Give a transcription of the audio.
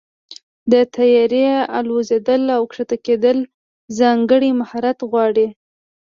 د طیارې الوزېدل او کښته کېدل ځانګړی مهارت غواړي.